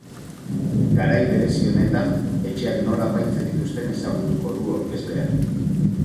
Garai berezi honetan etxeak nola apaintzen dituzten ezagutuko du aurkezleak.